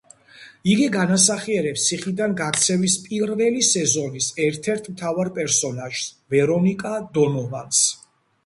იგი განასახიერებს ციხიდან გაქცევის პირველი სეზონის ერთ-ერთ მთავარ პერსონაჟს, ვერონიკა დონოვანს.